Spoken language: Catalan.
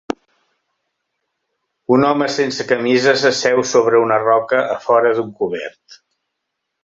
Un home sense camisa s'asseu sobre una roca afora d'un cobert.